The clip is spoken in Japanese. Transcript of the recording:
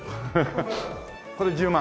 これ１０万？